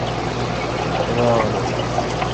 خدا اولو۔